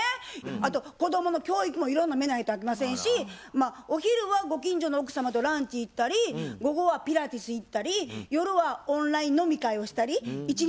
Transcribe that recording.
あと子供の教育もいろいろ見ないとあきませんしお昼はご近所の奥様とランチ行ったり午後はピラティス行ったり夜はオンライン飲み会をしたり一日忙しいんです。